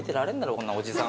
こんなおじさん